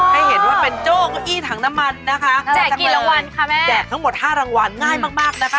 ให้เห็นว่าเป็นโจ๊ะก้ออีสันถังน้ำมันนะคะแจกทั้งหมด๕รางวัลง่ายมากนะคะ